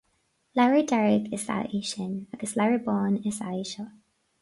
Leabhar dearg is ea é sin, agus leabhar bán is ea é seo